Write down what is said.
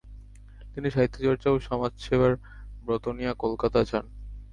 তিনি সাহিত্যচর্চা ও সমাজসেবার ব্রত নিয়ে কলকাতা যান।